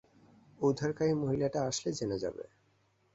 উদ্ধারকারী মহিলাটা আসলে, জেনে যাবে।